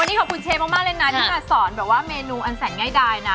วันนี้ขอบคุณเชฟมากเลยนะที่มาสอนแบบว่าเมนูอันแสนง่ายดายนะ